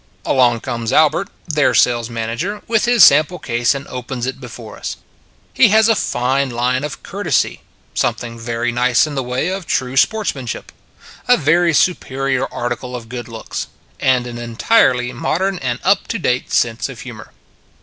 Along comes Albert, their sales man ager, with his sample case and opens it be fore us. He has a fine line of courtesy; something very nice in the way of true sportsmanship; a very superior article of good looks; and an entirely modern and up to date sense of humor.